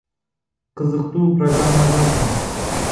Кызыктуу программа жаздым